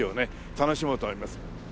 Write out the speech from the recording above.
楽しもうと思います。